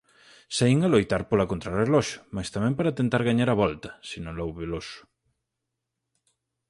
"Saín a loitar pola contrarreloxo, mais tamén para tentar gañar a Volta", sinalou Veloso.